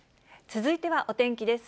続いてはお天気です。